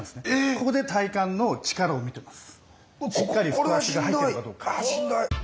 ここで体幹の力を見てます。